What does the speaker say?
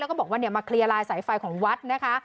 แล้วก็บอกว่ามาเคลียร์ลายสายไฟของวัดนะคะ